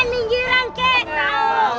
eh minjiran minjiran kek